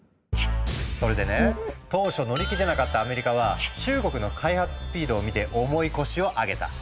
それでね当初乗り気じゃなかったアメリカは中国の開発スピードを見て重い腰を上げた。